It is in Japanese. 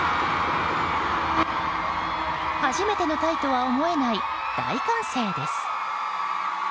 初めてのタイとは思えない大歓声です。